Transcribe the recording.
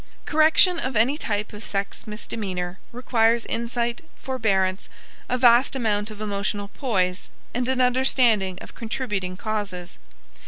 Correction of any type of sex misdemeanor requires insight, forbearance, a vast amount of emotional poise, and an understanding of contributing causes.